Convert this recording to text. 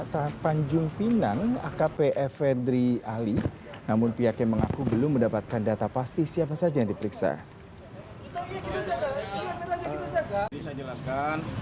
di panjung pinang akp efe dri ali namun pihaknya mengaku belum mendapatkan data pasti siapa saja yang diperiksa